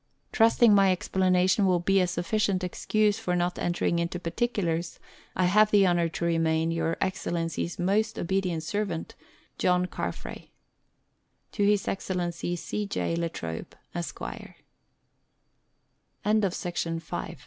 Trusting my explanation will bo a sufficient excuse for not entering into particulars, I have the honour to remain Your Excellency's most obedient servant, JOHN CARFRAE. His Excellency C. J. La Trobo, Esq.